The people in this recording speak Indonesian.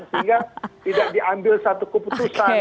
sehingga tidak diambil satu keputusan